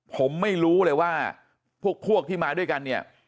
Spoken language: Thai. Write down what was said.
ผมไม่รู้เลยว่าพวกที่มาด้วยกันเนี่ย